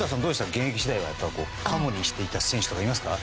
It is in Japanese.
現役時代、カモにしていた選手とかいますか？